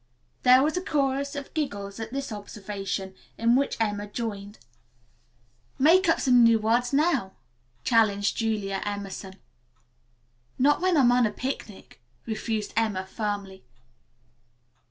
There was a chorus of giggles at this observation, in which even Emma joined. "Make up some new words now," challenged Julia Emerson. "Not when I'm on a picnic," refused Emma firmly.